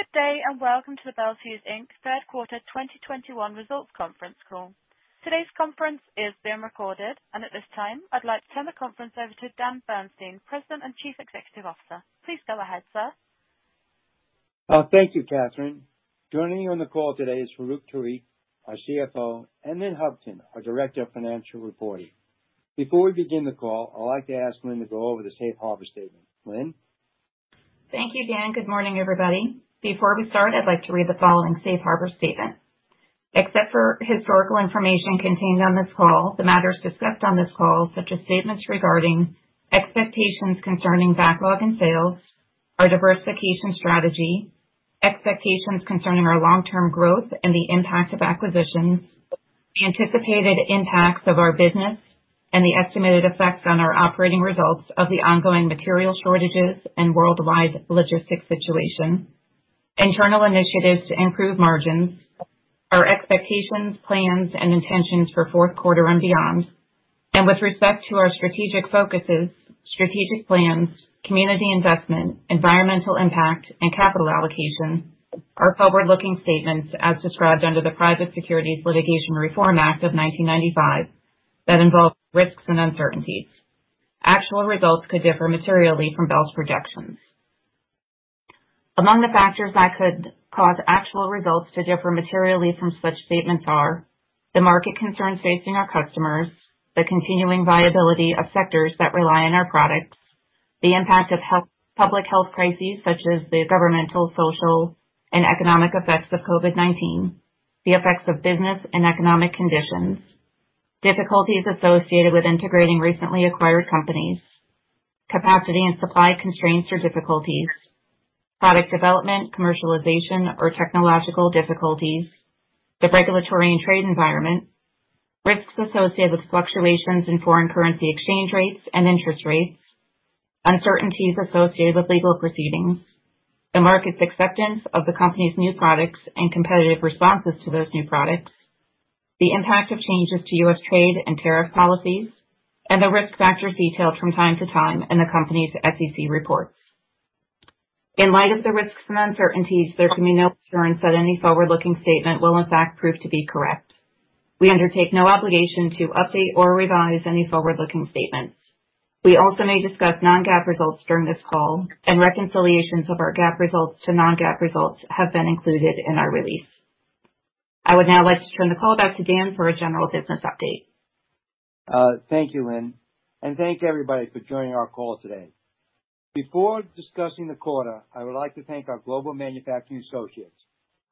Good day, and welcome to the Bel Fuse Inc. Third Quarter 2021 Results Conference Call. Today's conference is being recorded. At this time, I'd like to turn the conference over to Dan Bernstein, President and Chief Executive Officer. Please go ahead, sir. Thank you, Catherine. Joining me on the call today is Farouq Tuweiq, our CFO, and Lynn Hutkin, our Director of Financial Reporting. Before we begin the call, I'd like to ask Lynn to go over the Safe Harbor Statement. Lynn? Thank you, Dan. Good morning, everybody. Before we start, I'd like to read the following Safe Harbor Statement. Except for historical information contained on this call, the matters discussed on this call, such as statements regarding expectations concerning backlog and sales, our diversification strategy, expectations concerning our long-term growth and the impact of acquisitions, the anticipated impacts of our business, and the estimated effects on our operating results of the ongoing material shortages and worldwide logistics situation, internal initiatives to improve margins, our expectations, plans, and intentions for fourth quarter and beyond, and with respect to our strategic focuses, strategic plans, community investment, environmental impact, and capital allocation, are forward-looking statements as described under the Private Securities Litigation Reform Act of 1995 that involve risks and uncertainties. Actual results could differ materially from Bel's projections. Among the factors that could cause actual results to differ materially from such statements are the market concerns facing our customers, the continuing viability of sectors that rely on our products, the impact of health, public health crises such as the governmental, social, and economic effects of COVID-19, the effects of business and economic conditions, difficulties associated with integrating recently acquired companies, capacity and supply constraints or difficulties, product development, commercialization, or technological difficulties, the regulatory and trade environment, risks associated with fluctuations in foreign currency exchange rates and interest rates, uncertainties associated with legal proceedings, the market's acceptance of the company's new products and competitive responses to those new products, the impact of changes to U.S. trade and tariff policies, and the risk factors detailed from time to time in the company's SEC reports. In light of the risks and uncertainties, there can be no assurance that any forward-looking statement will in fact prove to be correct. We undertake no obligation to update or revise any forward-looking statements. We also may discuss non-GAAP results during this call, and reconciliations of our GAAP results to non-GAAP results have been included in our release. I would now like to turn the call back to Dan for a general business update. Thank you, Lynn, and thank everybody for joining our call today. Before discussing the quarter, I would like to thank our global manufacturing associates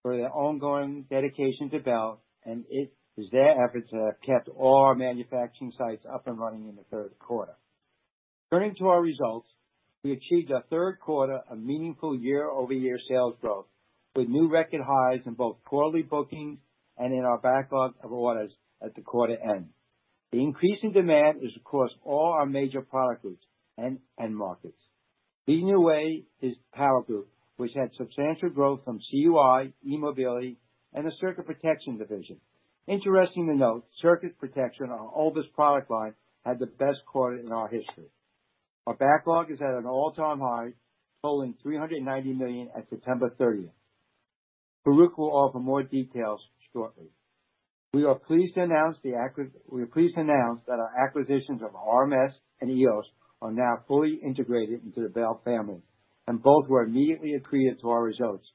for their ongoing dedication to Bel, and it is their efforts that have kept all our manufacturing sites up and running in the third quarter. Turning to our results, we achieved a third quarter of meaningful year-over-year sales growth, with new record highs in both quarterly bookings and in our backlog of orders at the quarter end. The increase in demand is across all our major product groups and end markets. Leading the way is Power group, which had substantial growth from CUI, eMobility, and the Circuit Protection division. Interesting to note, Circuit Protection, our oldest product line, had the best quarter in our history. Our backlog is at an all-time high, totaling $390 million at September 30. Farouq will offer more details shortly. We are pleased to announce that our acquisitions of rms and EOS are now fully integrated into the Bel family, and both were immediately accretive to our results,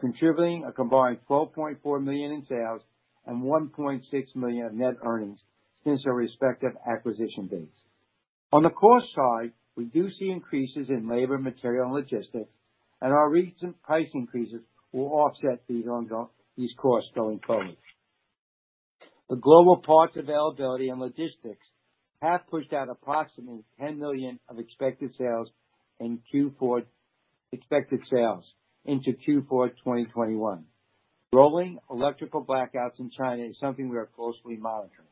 contributing a combined $12.4 million in sales and $1.6 million of net earnings since their respective acquisition dates. On the cost side, we do see increases in labor, material, and logistics, and our recent price increases will offset these costs going forward. The global parts availability and logistics have pushed out approximately $10 million of expected sales into Q4 2021. Growing electrical blackouts in China is something we are closely monitoring.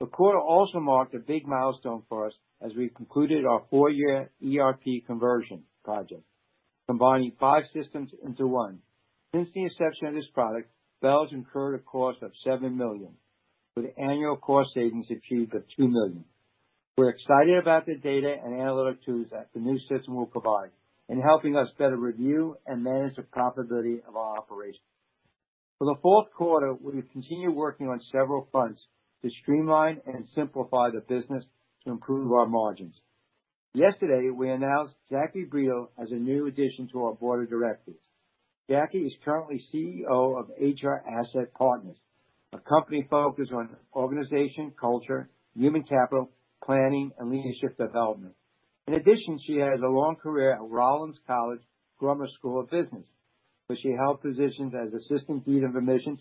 The quarter also marked a big milestone for us as we concluded our four-year ERP conversion project, combining five systems into one. Since the inception of this project, Bel's incurred a cost of $7 million, with annual cost savings achieved of $2 million. We're excited about the data and analytic tools that the new system will provide in helping us better review and manage the profitability of our operations. For the fourth quarter, we continue working on several fronts to streamline and simplify the business to improve our margins. Yesterday, we announced Jackie Brito as a new addition to our board of directors. Jackie is currently CEO of HR Asset Partners, a company focused on organization, culture, human capital, planning, and leadership development. In addition, she has a long career at Rollins College, Crummer School of Business, where she held positions as Assistant Dean of Admissions,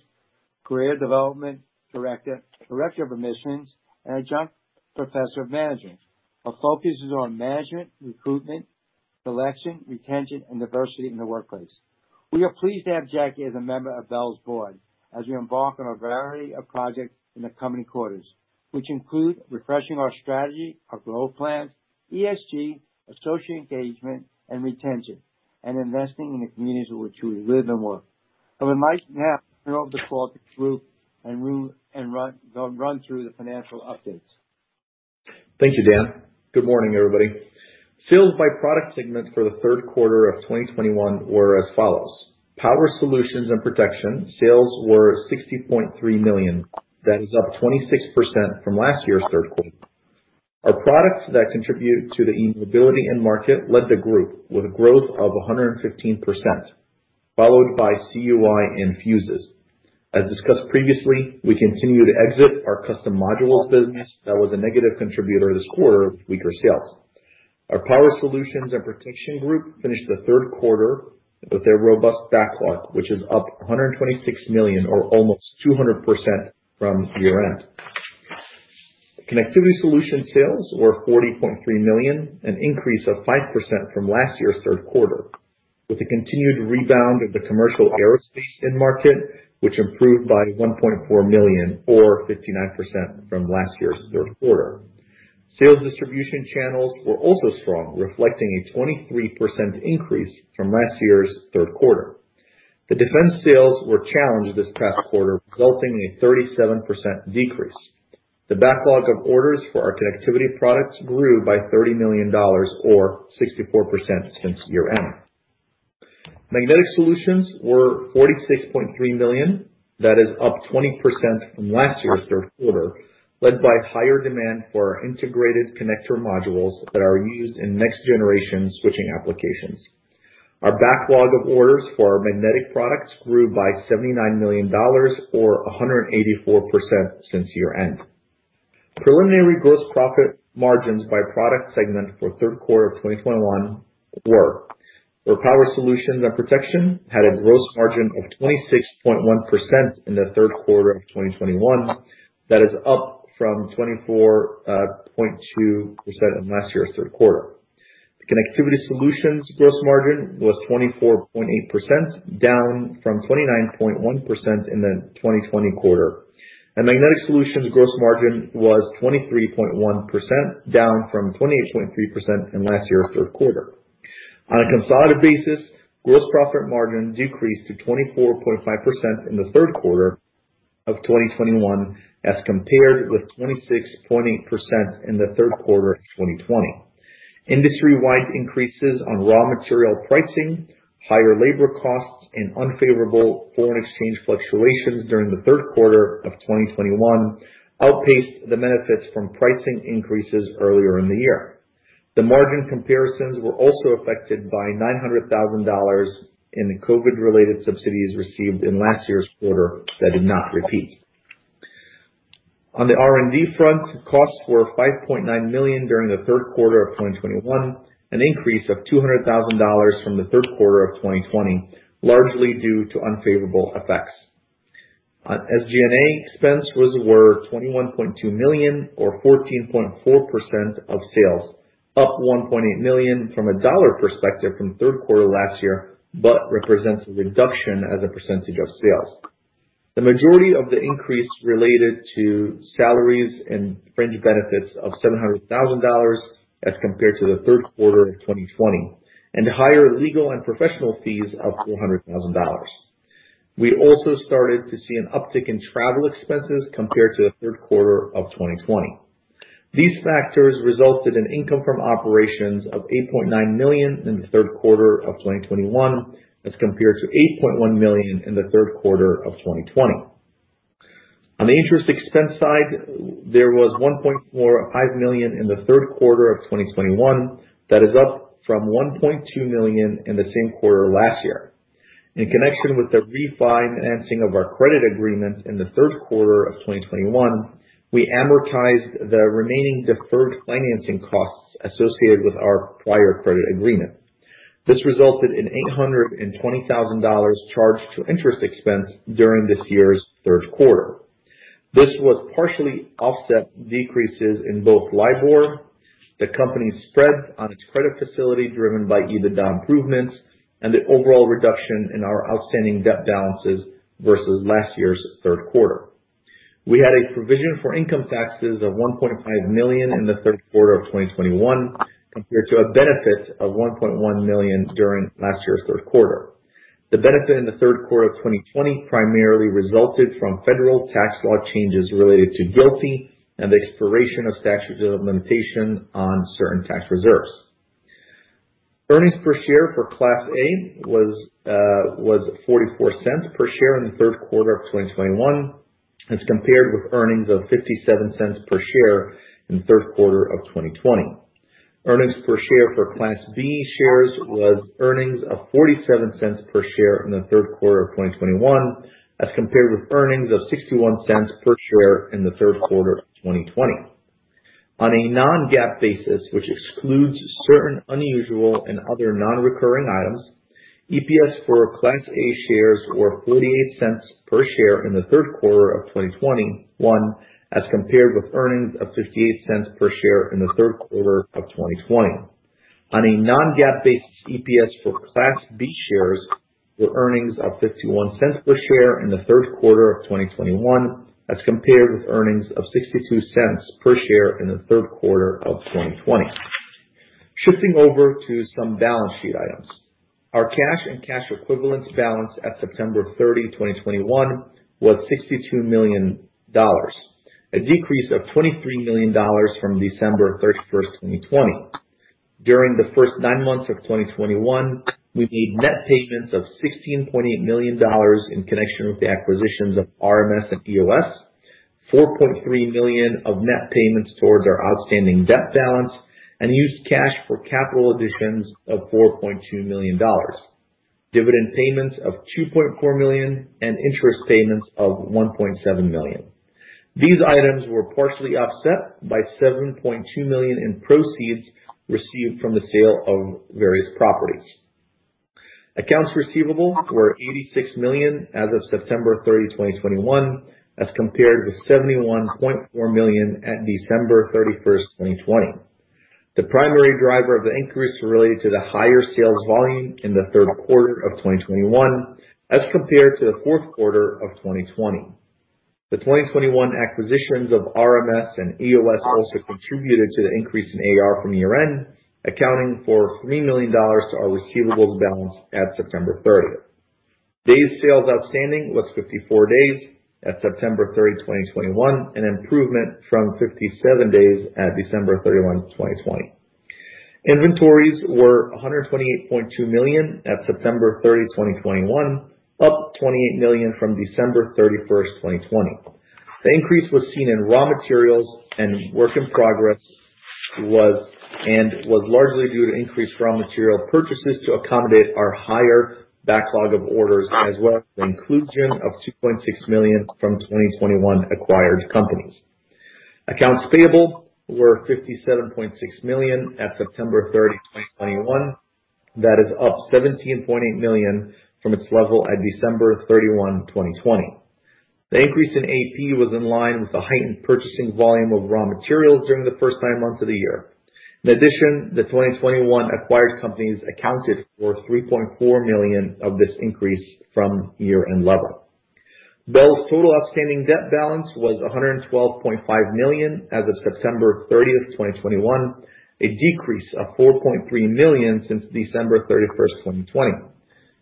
Career Development Director of Admissions, and Adjunct Professor of Management. Her focus is on management, recruitment, selection, retention, and diversity in the workplace. We are pleased to have Jackie as a member of Bel's board as we embark on a variety of projects in the coming quarters, which include refreshing our strategy, our growth plans, ESG, associate engagement and retention, and investing in the communities in which we live and work. I would like to now turn it over to Farouq Tuweiq and run through the financial updates. Thank you, Dan. Good morning, everybody. Sales by product segments for the third quarter of 2021 were as follows: Power Solutions and Protection, sales were $60.3 million. That is up 26% from last year's third quarter. Our products that contribute to the eMobility end market led the group with a growth of 115%, followed by CUI and fuses. As discussed previously, we continue to exit our custom modules business. That was a negative contributor this quarter with weaker sales. Our Power Solutions and Protection group finished the third quarter with a robust backlog, which is up $126 million or almost 200% from year-end. Connectivity Solutions sales were $40.3 million, an increase of 5% from last year's third quarter, with the continued rebound of the commercial aerospace end market, which improved by $1.4 million or 59% from last year's third quarter. Sales distribution channels were also strong, reflecting a 23% increase from last year's third quarter. The defense sales were challenged this past quarter, resulting in a 37% decrease. The backlog of orders for our connectivity products grew by $30 million or 64% since year-end. Magnetic Solutions were $46.3 million. That is up 20% from last year's third quarter, led by higher demand for our integrated connector modules that are used in next-generation switching applications. Our backlog of orders for our magnetic products grew by $79 million or 184% since year-end. Preliminary gross profit margins by product segment for third quarter of 2021 were. For Power Solutions and Protection, had a gross margin of 26.1% in the third quarter of 2021. That is up from 24.2% in last year's third quarter. The Connectivity Solutions gross margin was 24.8%, down from 29.1% in the 2020 quarter. Magnetic Solutions gross margin was 23.1%, down from 28.3% in last year's third quarter. On a consolidated basis, gross profit margin decreased to 24.5% in the third quarter of 2021 as compared with 26.8% in the third quarter of 2020. Industry-wide increases on raw material pricing, higher labor costs, and unfavorable foreign exchange fluctuations during the third quarter of 2021 outpaced the benefits from pricing increases earlier in the year. The margin comparisons were also affected by $900,000 in the COVID-19-related subsidies received in last year's quarter that did not repeat. On the R&D front, costs were $5.9 million during the third quarter of 2021, an increase of $200,000 from the third quarter of 2020, largely due to unfavorable effects. SG&A expense was $21.2 million or 14.4% of sales, up $1.8 million from a dollar perspective from third quarter last year, but represents a reduction as a percentage of sales. The majority of the increase related to salaries and fringe benefits of $700,000 as compared to the third quarter of 2020 and higher legal and professional fees of $400,000. We also started to see an uptick in travel expenses compared to the third quarter of 2020. These factors resulted in income from operations of $8.9 million in the third quarter of 2021, as compared to $8.1 million in the third quarter of 2020. On the interest expense side, there was $1.45 million in the third quarter of 2021. That is up from $1.2 million in the same quarter last year. In connection with the refinancing of our credit agreements in the third quarter of 2021, we amortized the remaining deferred financing costs associated with our prior credit agreement. This resulted in $820,000 charged to interest expense during this year's third quarter. This was partially offset by decreases in both LIBOR, the company's spread on its credit facility driven by EBITDA improvements and the overall reduction in our outstanding debt balances versus last year's third quarter. We had a provision for income taxes of $1.5 million in the third quarter of 2021, compared to a benefit of $1.1 million during last year's third quarter. The benefit in the third quarter of 2020 primarily resulted from federal tax law changes related to GILTI and the expiration of statutes of limitation on certain tax reserves. Earnings per share for Class A was $0.44 per share in the third quarter of 2021, as compared with earnings of $0.57 per share in the third quarter of 2020. Earnings per share for Class B shares was earnings of $0.47 per share in the third quarter of 2021, as compared with earnings of $0.61 per share in the third quarter of 2020. On a non-GAAP basis, which excludes certain unusual and other non-recurring items, EPS for Class A shares were $0.48 per share in the third quarter of 2021, as compared with earnings of $0.58 per share in the third quarter of 2020. On a non-GAAP basis, EPS for Class B shares were earnings of $0.51 per share in the third quarter of 2021, as compared with earnings of $0.62 per share in the third quarter of 2020. Shifting over to some balance sheet items. Our cash and cash equivalents balance at September 30, 2021 was $62 million, a decrease of $23 million from December 31st, 2020. During the first nine months of 2021, we made net payments of $16.8 million in connection with the acquisitions of rms and EOS, $4.3 million of net payments towards our outstanding debt balance and used cash for capital additions of $4.2 million. Dividend payments of $2.4 million and interest payments of $1.7 million. These items were partially offset by $7.2 million in proceeds received from the sale of various properties. Accounts receivable were $86 million as of September 30, 2021, as compared with $71.4 million at December 31st, 2020. The primary driver of the increase related to the higher sales volume in the third quarter of 2021, as compared to the fourth quarter of 2020. The 2021 acquisitions of rms and EOS also contributed to the increase in AR from year-end, accounting for $3 million to our receivables balance at September 30. Days sales outstanding was 54 days at September 30, 2021, an improvement from 57 days at December 31, 2020. Inventories were $128.2 million at September 30, 2021, up $28 million from December 31st, 2020. The increase was seen in raw materials and work in progress and was largely due to increased raw material purchases to accommodate our higher backlog of orders, as well as the inclusion of $2.6 million from 2021 acquired companies. Accounts payable were $57.6 million at September 30, 2021. That is up $17.8 million from its level at December 31, 2020. The increase in AP was in line with the heightened purchasing volume of raw materials during the first nine months of the year. In addition, the 2021 acquired companies accounted for $3.4 million of this increase from year-end level. Bel's total outstanding debt balance was $112.5 million as of September 30th, 2021, a decrease of $4.3 million since December 31st, 2020.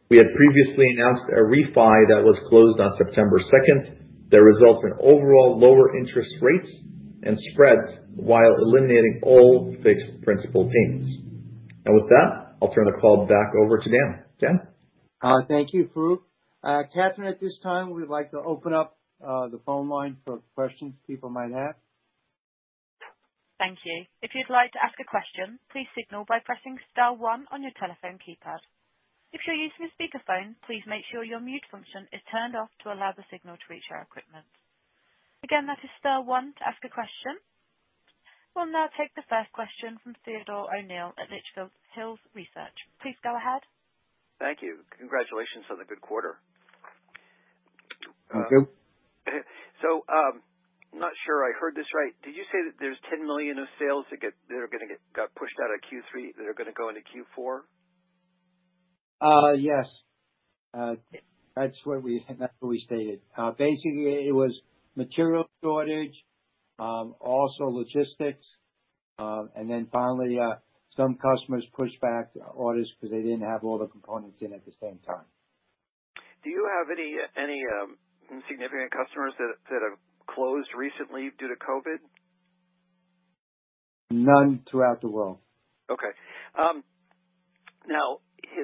We had previously announced a refi that was closed on September 2nd that results in overall lower interest rates and spreads while eliminating all fixed principal payments. With that, I'll turn the call back over to Dan. Dan? Thank you, Farouq. Catherine, at this time we would like to open up the phone line for questions people might have. Thank you. If you'd like to ask a question, please signal by pressing star one on your telephone keypad. If you're using a speakerphone, please make sure your mute function is turned off to allow the signal to reach our equipment. Again, that is star one to ask a question. We'll now take the first question from Theodore O'Neill at Litchfield Hills Research. Please go ahead. Thank you. Congratulations on the good quarter. Thank you. I'm not sure I heard this right. Did you say that there's $10 million of sales that got pushed out of Q3 that are gonna go into Q4? Yes. That's what we stated. Basically, it was material shortage, also logistics, and then finally, some customers pushed back orders because they didn't have all the components in at the same time. Do you have any significant customers that have closed recently due to COVID? None throughout the world. Okay. Now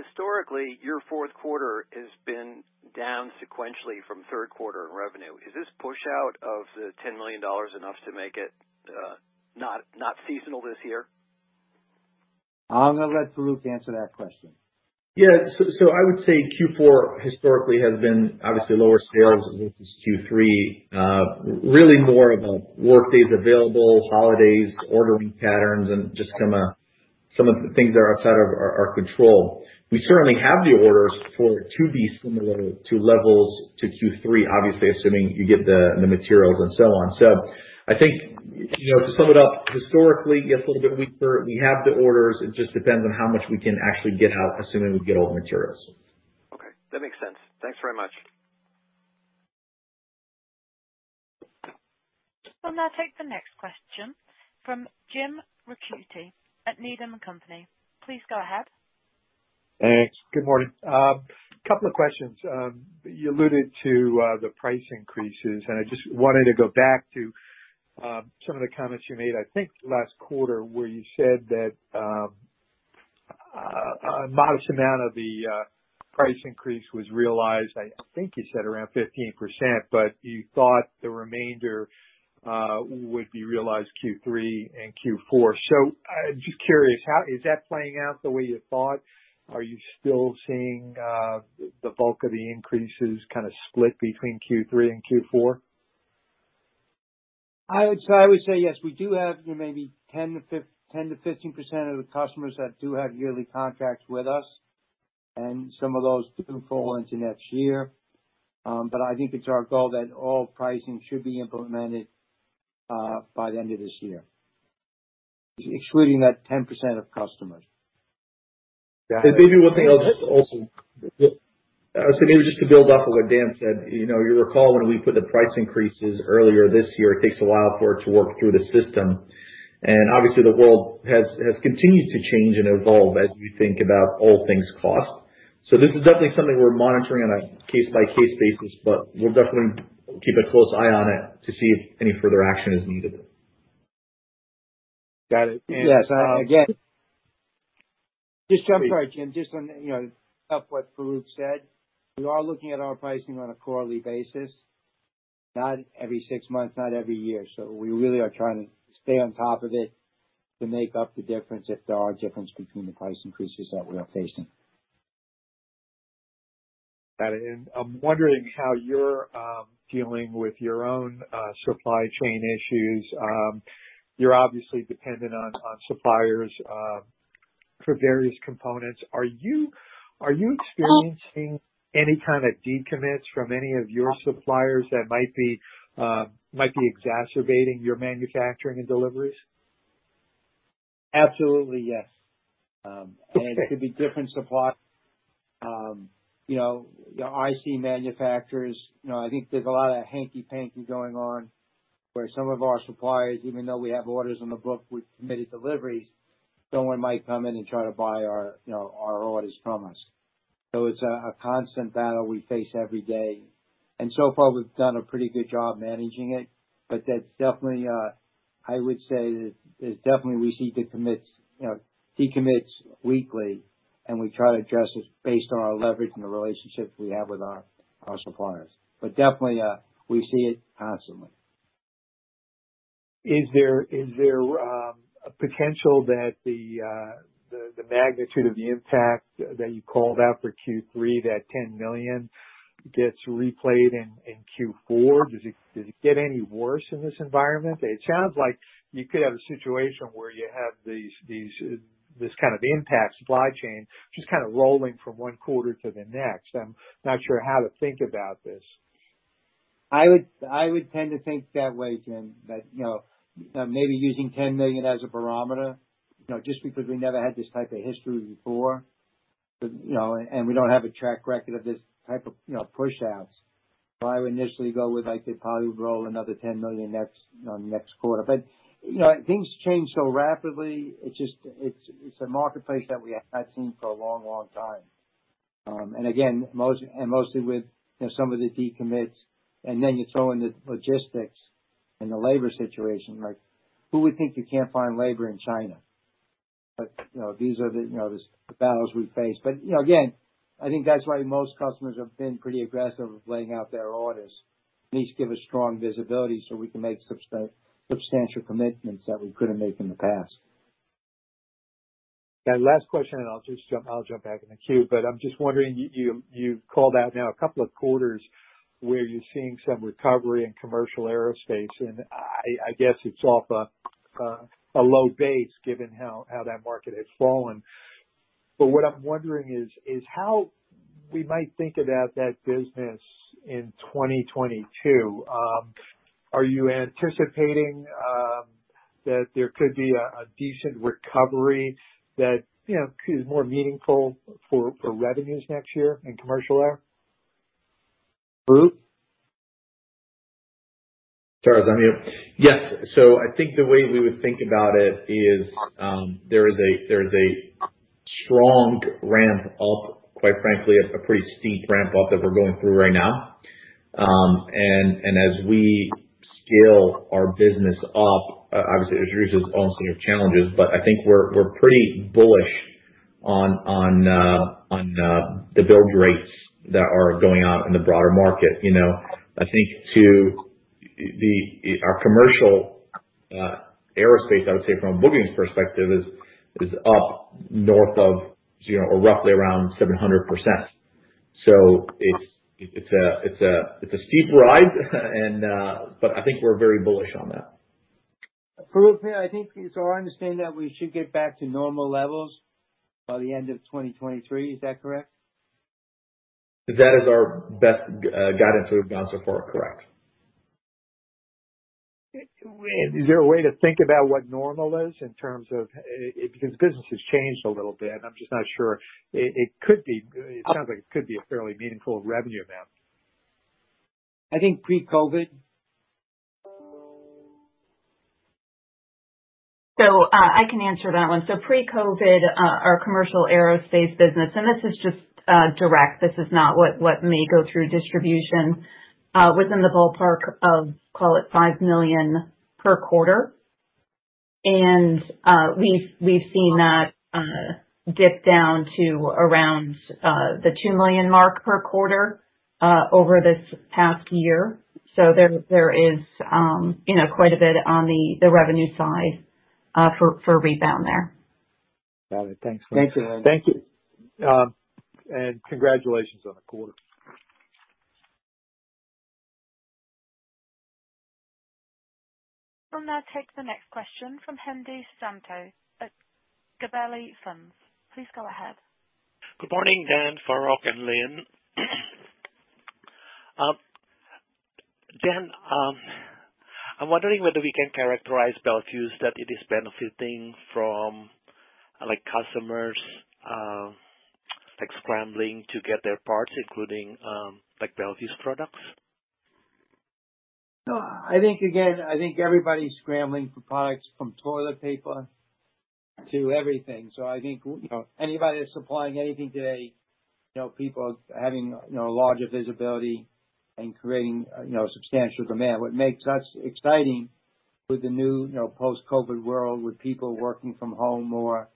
historically, your fourth quarter has been down sequentially from third quarter in revenue. Is this push out of $10 million enough to make it not seasonal this year? I'm gonna let Farouq answer that question. Yeah, I would say Q4 historically has been obviously lower sales versus Q3. Really more of a workdays available, holidays, ordering patterns, and just some of the things that are outside of our control. We certainly have the orders for it to be similar to levels to Q3, obviously, assuming you get the materials and so on. I think, you know, to sum it up, historically it's a little bit weaker. We have the orders, it just depends on how much we can actually get out, assuming we get all the materials. Okay, that makes sense. Thanks very much. We'll now take the next question from James Ricchiuti at Needham & Company. Please go ahead. Thanks. Good morning. A couple of questions. You alluded to the price increases, and I just wanted to go back to some of the comments you made, I think last quarter, where you said that a modest amount of the price increase was realized. I think you said around 15%, but you thought the remainder would be realized Q3 and Q4. I'm just curious, how is that playing out the way you thought? Are you still seeing the bulk of the increases kind of split between Q3 and Q4? I would say yes. We do have, you know, maybe 10%-15% of the customers that do have yearly contracts with us, and some of those do fall into next year. I think it's our goal that all pricing should be implemented by the end of this year, excluding that 10% of customers. Maybe just to build off of what Dan said, you know, you'll recall when we put the price increases earlier this year, it takes a while for it to work through the system. Obviously the world has continued to change and evolve as we think about all things cost. This is definitely something we're monitoring on a case-by-case basis, but we'll definitely keep a close eye on it to see if any further action is needed. Got it. Yes. Again, I'm sorry, James. Just on, you know, off what Farouq said, we are looking at our pricing on a quarterly basis, not every six months, not every year. We really are trying to stay on top of it to make up the difference if there are difference between the price increases that we are facing. Got it. I'm wondering how you're dealing with your own supply chain issues. You're obviously dependent on suppliers for various components. Are you experiencing any kind of decommits from any of your suppliers that might be exacerbating your manufacturing and deliveries? Absolutely, yes. It could be different suppliers. You know, your IC manufacturers, you know, I think there's a lot of hanky-panky going on, where some of our suppliers, even though we have orders on the book with committed deliveries, someone might come in and try to buy our, you know, our orders from us. It's a constant battle we face every day. So far we've done a pretty good job managing it. That's definitely, I would say there's definitely we see decommits, you know, decommits weekly, and we try to address it based on our leverage and the relationships we have with our suppliers. Definitely, we see it constantly. Is there a potential that the magnitude of the impact that you called out for Q3, that $10 million gets replayed in Q4? Does it get any worse in this environment? It sounds like you could have a situation where you have this kind of impact supply chain just kind of rolling from one quarter to the next. I'm not sure how to think about this? I would tend to think that way, James, that, you know, maybe using $10 million as a barometer, you know, just because we never had this type of history before. You know, we don't have a track record of this type of, you know, pushouts. I would initially go with, like, it probably would roll another $10 million next quarter. You know, things change so rapidly. It's just a marketplace that we have not seen for a long, long time. Again, mostly with, you know, some of the decommits, and then you throw in the logistics and the labor situation, like, who would think you can't find labor in China? You know, these are the, you know, the battles we face. You know, again, I think that's why most customers have been pretty aggressive with laying out their orders, at least give us strong visibility so we can make substantial commitments that we couldn't make in the past. Last question, and I'll jump back in the queue. I'm just wondering, you've called out now a couple of quarters where you're seeing some recovery in commercial aerospace, and I guess it's off a low base given how that market has fallen. What I'm wondering is how we might think about that business in 2022. Are you anticipating that there could be a decent recovery that, you know, is more meaningful for revenues next year in commercial air? Farouq? Sure. Is that me? Yes. I think the way we would think about it is, there is a strong ramp up, quite frankly, a pretty steep ramp up that we're going through right now. As we scale our business up, obviously it brings its own set of challenges. I think we're pretty bullish on the build rates that are going on in the broader market, you know. I think to the, our commercial aerospace, I would say from a bookings perspective is up north of zero or roughly around 700%. It's a steep ride. I think we're very bullish on that. Farouq, I think it's our understanding that we should get back to normal levels by the end of 2023. Is that correct? That is our best guidance we've done so far. Correct. Is there a way to think about what normal is in terms of because business has changed a little bit, and I'm just not sure. It could be, it sounds like it could be a fairly meaningful revenue amount. I think pre-COVID. I can answer that one. Pre-COVID, our commercial aerospace business, and this is just direct, this is not what may go through distribution, was in the ballpark of, call it $5 million per quarter. We've seen that dip down to around the $2 million mark per quarter over this past year. There is you know quite a bit on the revenue side for rebound there. Got it. Thanks. Thank you. Thank you. Congratulations on the quarter. We'll now take the next question from Hendi Susanto at Gabelli Funds. Please go ahead. Good morning, Dan, Farouq, and Lynn. I'm wondering whether we can characterize Bel Fuse that it is benefiting from, like, customers, like scrambling to get their parts, including, like Bel Fuse products. No, I think everybody's scrambling for products from toilet paper to everything. I think, you know, anybody that's supplying anything today, you know, people are having, you know, a larger visibility and creating, you know, substantial demand. What makes us exciting with the new, you know, post-COVID world, with people working from home more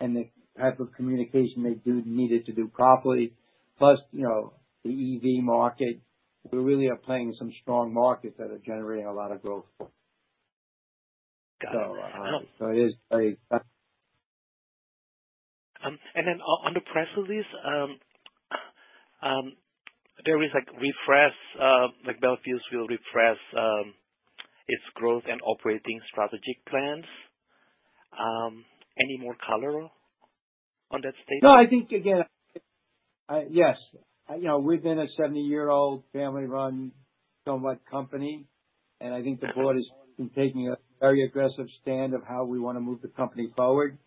and the type of communication they do need it to do properly, plus, you know, the EV market, we really are playing in some strong markets that are generating a lot of growth. Got it. It is very exciting. Then on the press release, there is like refresh, like Bel Fuse will refresh its growth and operating strategic plans. Any more color on that statement? No, I think again. Yes. You know, we've been a 70-year-old family-run company, and I think the board has been taking a very aggressive stance on how we wanna move the company forward.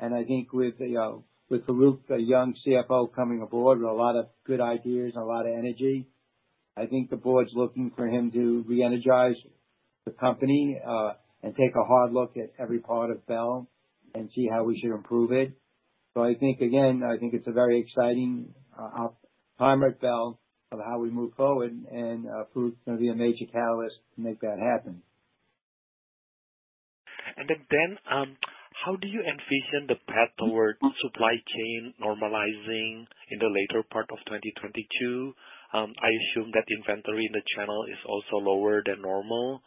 I think with Farouq, a young CFO coming aboard with a lot of good ideas and a lot of energy, I think the board's looking for him to re-energize the company and take a hard look at every part of Bel and see how we should improve it. I think again, I think it's a very exciting opportune time at Bel of how we move forward and Farouq is gonna be a major catalyst to make that happen. Dan, how do you envision the path towards supply chain normalizing in the later part of 2022? I assume that inventory in the channel is also lower than normal,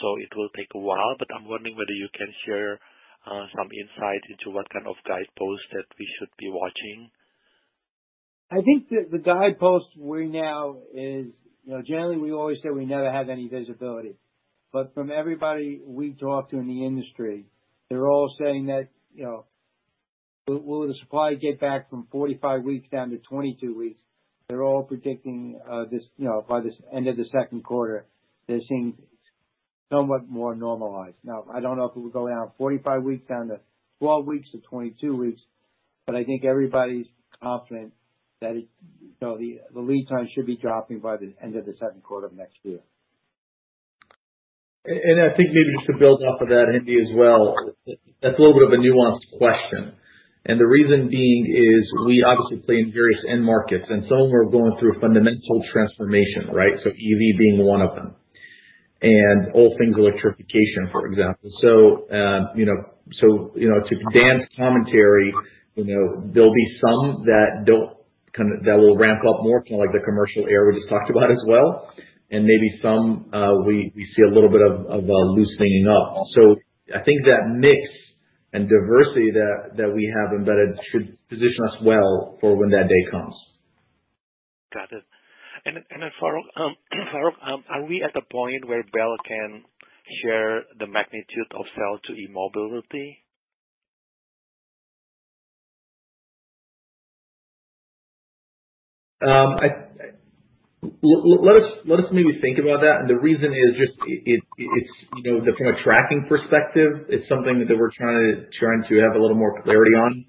so it will take a while, but I'm wondering whether you can share some insight into what kind of guideposts that we should be watching. I think the guidepost we know is, you know, generally we always say we never have any visibility. From everybody we talk to in the industry, they're all saying that, you know, will the supply get back from 45 weeks down to 22 weeks? They're all predicting, you know, by the end of the second quarter, they're seeing somewhat more normalized. Now, I don't know if it will go down 45 weeks down to 12 weeks or 22 weeks, but I think everybody's confident that it, you know, the lead time should be dropping by the end of the second quarter of next year. I think maybe just to build off of that, Hendi, as well. That's a little bit of a nuanced question. The reason being is we obviously play in various end markets, and some are going through a fundamental transformation, right? EV being one of them. All things electrification, for example. You know, to Dan's commentary, you know, there'll be some that will ramp up more, kind of like the commercial aero we just talked about as well. Maybe some we see a little bit of loosening up. I think that mix and diversity that we have embedded should position us well for when that day comes. Got it. Farouq, are we at the point where Bel can share the magnitude of sales to eMobility? Let us maybe think about that. The reason is just it's, you know, from a tracking perspective, it's something that we're trying to have a little more clarity on.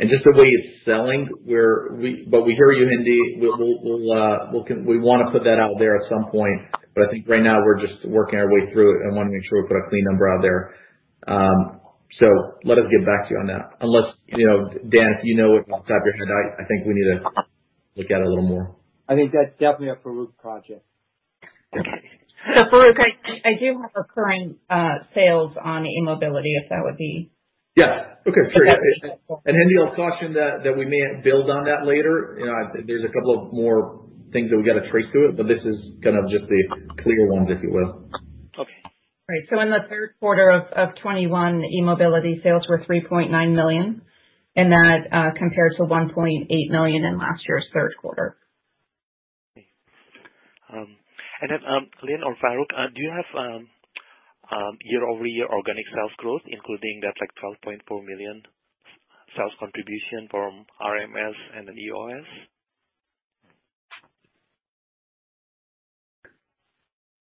Just the way it's selling, but we hear you, Hendi. We wanna put that out there at some point, but I think right now we're just working our way through it and wanna make sure we put a clean number out there. Let us get back to you on that. Unless, you know, Dan, if you know it off the top of your head. I think we need to look at it a little more. I think that's definitely a Farouq project. Okay. Farouq, I do have recurring sales on eMobility if that would be- Yeah. Okay, great. If that's helpful. Hendi, I'll caution that we may build on that later. You know, there's a couple of more things that we gotta trace to it, but this is kind of just the clear ones, if you will. Okay. Right. In the third quarter of 2021, eMobility sales were $3.9 million, and that compares to $1.8 million in last year's third quarter. Okay, Lynn or Farouq, do you have year-over-year organic sales growth, including that's like $12.4 million sales contribution from rms and then EOS?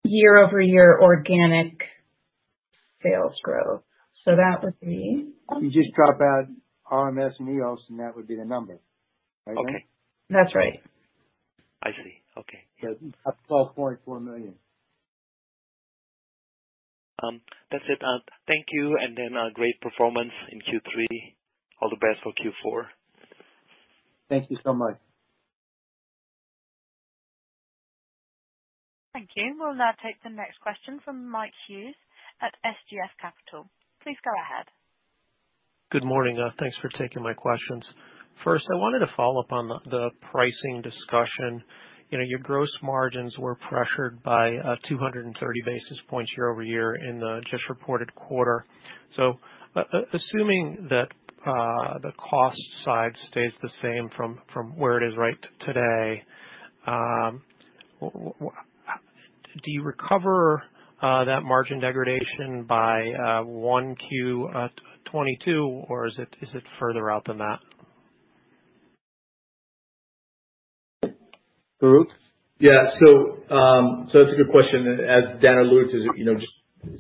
Year-over-year organic sales growth. You just drop out rms and EOS, and that would be the number. Right, Lynn? That's right. I see. Okay. Yeah. That's $12.4 million. That's it. Thank you, and then, great performance in Q3. All the best for Q4. Thank you so much. Thank you. We'll now take the next question from Mike Hughes at SGF Capital. Please go ahead. Good morning. Thanks for taking my questions. First, I wanted to follow up on the pricing discussion. You know, your gross margins were pressured by 230 basis points year-over-year in the just reported quarter. Assuming that the cost side stays the same from where it is right today, do you recover that margin degradation by Q1 2022, or is it further out than that? Farouq? Yeah. That's a good question. As Dan alludes, you know, just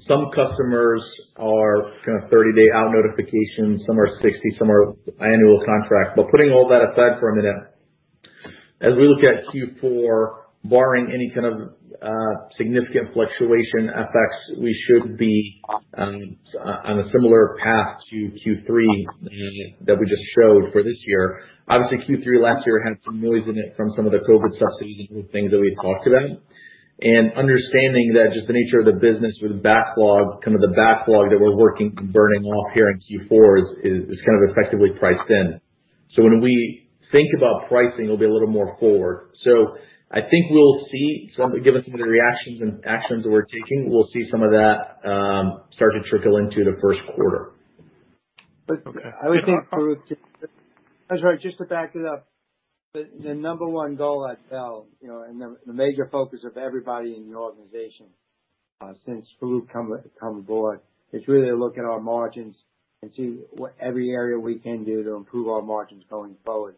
some customers are kind of 30-day out notifications, some are 60, some are annual contracts. Putting all that aside for a minute, as we look at Q4, barring any kind of significant fluctuation effects, we should be on a similar path to Q3 that we just showed for this year. Obviously, Q3 last year had some noise in it from some of the COVID subsidies and things that we've talked about. Understanding that just the nature of the business with backlog, kind of the backlog that we're working burning off here in Q4 is kind of effectively priced in. When we think about pricing, it'll be a little more forward. I think we'll see some, given some of the reactions and actions that we're taking, we'll see some of that start to trickle into the first quarter. Okay. I would think, Farouq, just. I'm sorry. Just to back it up. The number one goal at Bel, you know, and the major focus of everybody in the organization, since Farouq come aboard, is really to look at our margins and see what every area we can do to improve our margins going forward.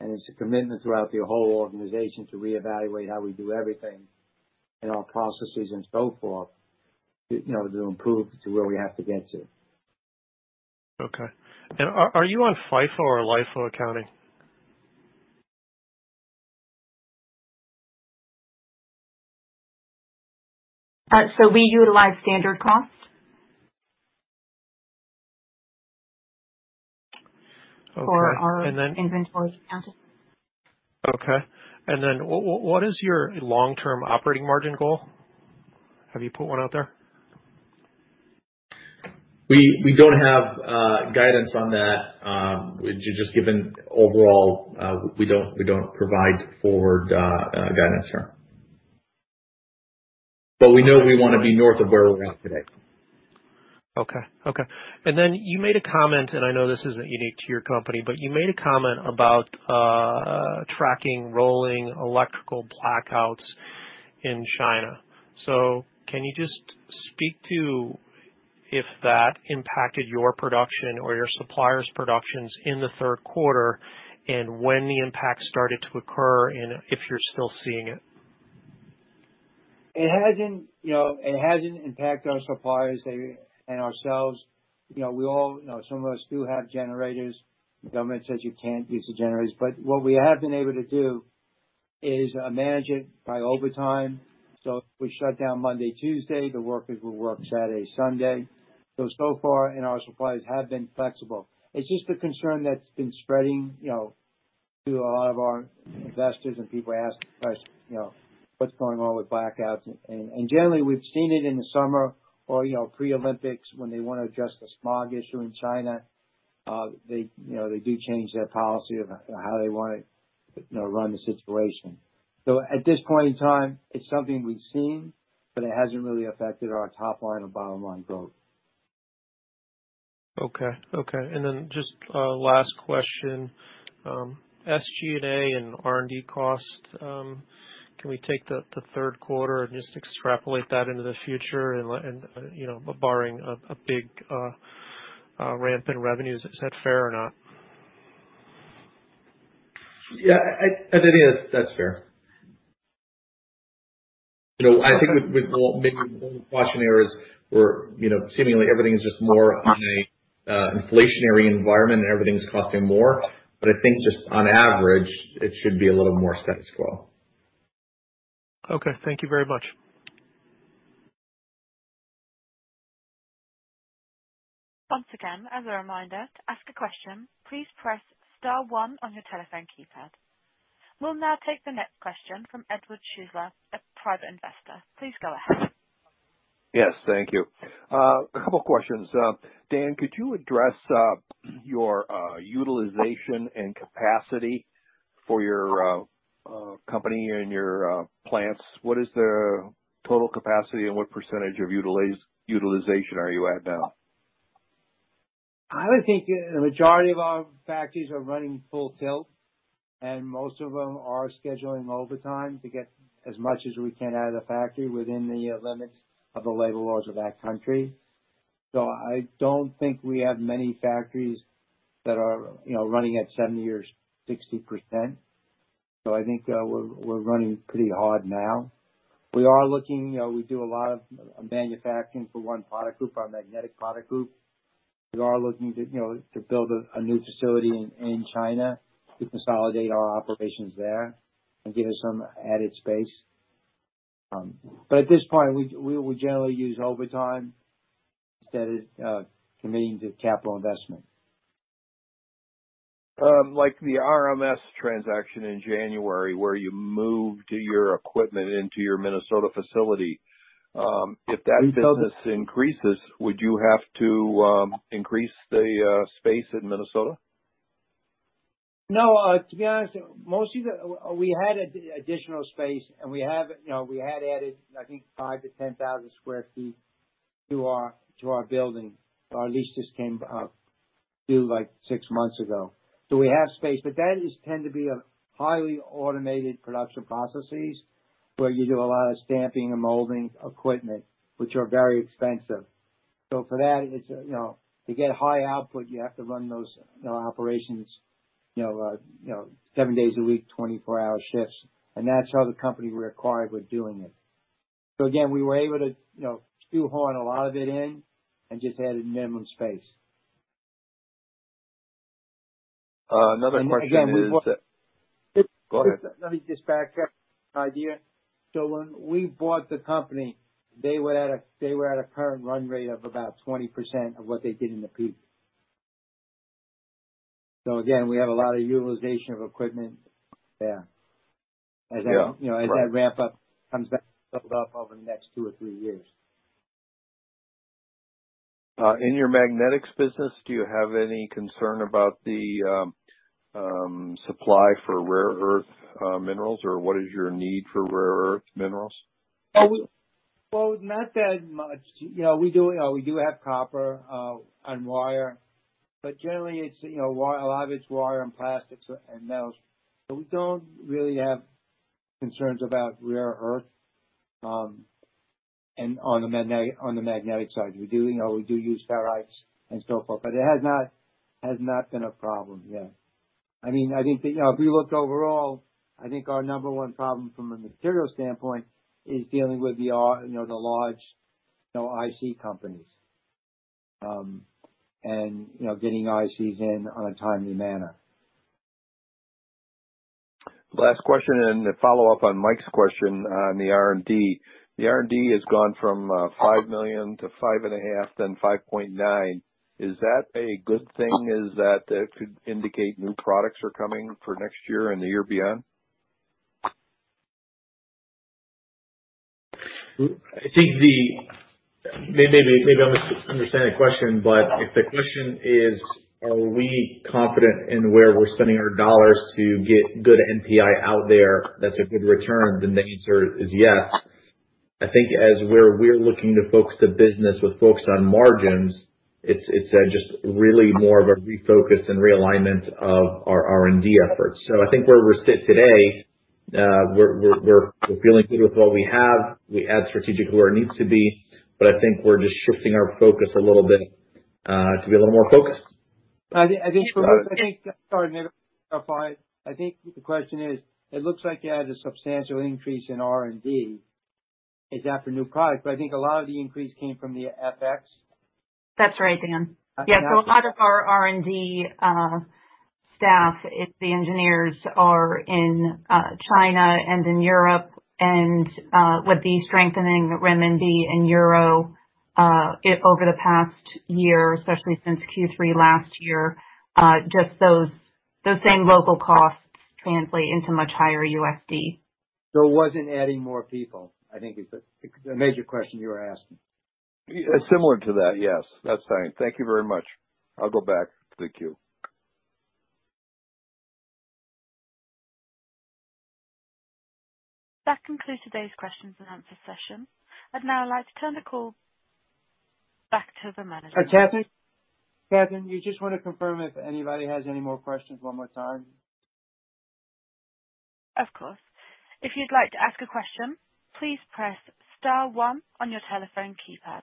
It's a commitment throughout the whole organization to reevaluate how we do everything in all processes and so forth, you know, to improve to where we have to get to. Okay. Are you on FIFO or LIFO accounting? We utilize standard costs. Okay. For our inventories accounting. Okay. What is your long-term operating margin goal? Have you put one out there? We don't have guidance on that. Just given overall, we don't provide forward guidance, sure. We know we wanna be north of where we're at today. Okay. You made a comment, and I know this isn't unique to your company, but you made a comment about tracking rolling electrical blackouts in China. Can you just speak to if that impacted your production or your suppliers' productions in the third quarter, and when the impact started to occur, and if you're still seeing it? It hasn't, you know, impacted our suppliers and ourselves. You know, we all, you know, some of us do have generators. The government says you can't use the generators. What we have been able to do is manage it by overtime. If we shut down Monday, Tuesday, the workers will work Saturday, Sunday. So far and our suppliers have been flexible. It's just a concern that's been spreading, you know, to a lot of our investors and people ask the question, you know, "What's going on with blackouts?" Generally, we've seen it in the summer or, you know, pre-Olympics when they wanna address the smog issue in China. They, you know, do change their policy of how they wanna, you know, run the situation. At this point in time, it's something we've seen, but it hasn't really affected our top line or bottom-line growth. Just a last question. SG&A and R&D costs, can we take the third quarter and just extrapolate that into the future and, you know, barring a big ramp in revenues, is that fair or not? Yeah. I think that's fair. You know, I think with maybe one cautionary is we're you know, seemingly everything is just more on a inflationary environment and everything is costing more. I think just on average, it should be a little more status quo. Okay. Thank you very much. Once again, as a reminder, to ask a question, please press star one on your telephone keypad. We'll now take the next question from Edward Schussler at Private Investor. Please go ahead. Yes. Thank you. A couple questions. Dan, could you address your utilization and capacity for your company and your plants? What is the total capacity and what percentage of utilization are you at now? I would think a majority of our factories are running full tilt, and most of them are scheduling overtime to get as much as we can out of the factory within the limits of the labor laws of that country. I don't think we have many factories that are, you know, running at 70 years at 60%. I think we're running pretty hard now. We are looking, you know. We do a lot of manufacturing for one product group, our magnetic product group. We are looking to, you know, build a new facility in China to consolidate our operations there and give us some added space. At this point, we will generally use overtime instead of committing to capital investment. Like the rms transaction in January, where you moved your equipment into your Minnesota facility. If that business increases, would you have to increase the space in Minnesota? No. To be honest, most of the we had additional space and we have. We had added, I think, 5,000 sq ft-10,000 sq ft to our building. Our lease just came up about six months ago. We have space, but that tends to be highly automated production processes where you do a lot of stamping and molding equipment, which are very expensive. For that, it's to get high output. You have to run those operations seven days a week, 24-hour shifts. That's how the company we acquired was doing it. Again, we were able to shoehorn a lot of it in and just added minimal space. Another question is- Again, we bought. Go ahead. Let me just back up an idea. When we bought the company, they were at a current run rate of about 20% of what they did in the peak. Again, we have a lot of utilization of equipment there. Yeah. Right. As that, you know, ramp up comes back, levels off over the next two or three years. In your magnetics business, do you have any concern about the supply for rare earth minerals, or what is your need for rare earth minerals? Oh, well, not that much. You know, we do have copper and wire, but generally it's you know wire a lot of it's wire and plastics and metals. We don't really have concerns about rare earth and on the magnetic side. We do you know we do use ferrites and so forth, but it has not been a problem yet. I mean, I think that you know if you looked overall, I think our number one problem from a material standpoint is dealing with the you know the large you know IC companies you know getting ICs in on a timely manner. Last question, a follow-up on Mike's question on the R&D. The R&D has gone from $5 million to $5.5 million, then $5.9 million. Is that a good thing? That could indicate new products are coming for next year and the year beyond. I think maybe I misunderstood the question, but if the question is, are we confident in where we're spending our dollars to get good NPI out there, that's a good return, then the answer is yes. I think as to where we're looking to focus the business with focus on margins, it's just really more of a refocus and realignment of our R&D efforts. I think where we sit today, we're feeling good with what we have. We add strategically where it needs to be, but I think we're just shifting our focus a little bit to be a little more focused. I think. Go ahead. I think the question is, it looks like you had a substantial increase in R&D. Is that for new product? I think a lot of the increase came from the FX. That's right, Dan. Okay. A lot of our R&D staff, it's the engineers are in China and in Europe, and with the strengthening the renminbi and euro over the past year, especially since Q3 last year, just those same local costs translate into much higher USD. It wasn't adding more people, I think is the major question you were asking. Similar to that, yes. That's fine. Thank you very much. I'll go back to the queue. That concludes today's questions and answer session. I'd now like to turn the call back to the management. Catherine? Catherine, you just wanna confirm if anybody has any more questions one more time? Of course. If you'd like to ask a question, please press star one on your telephone keypad.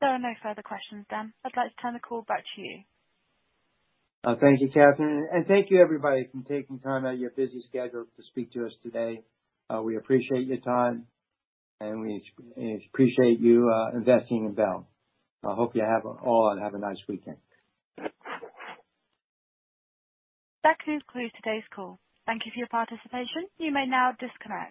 There are no further questions, Dan. I'd like to turn the call back to you. Thank you, Catherine. Thank you everybody for taking time out of your busy schedule to speak to us today. We appreciate your time, and we appreciate you investing in Bel. I hope you all have a nice weekend. That concludes today's call. Thank you for your participation. You may now disconnect.